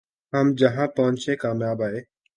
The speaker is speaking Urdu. ہم جہاں پہنچے کامیاب آئے